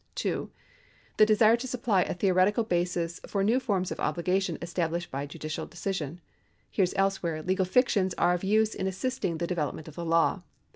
(2) The desire to supply a theoretical basis for new forms of obhgation established by judicial decision. Here as elsewhere, legal fictions are of use in assisting the development of the law.